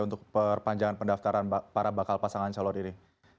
untuk perpanjangan pendaftaran para bakal pasangan calon ini